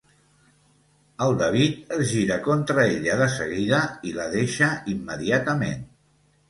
El David es gira contra ella de seguida i la deixa immediatament.